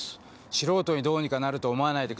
素人にどうにかなると思わないでください。